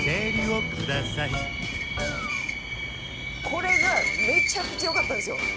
これがめちゃくちゃ良かったんですよ！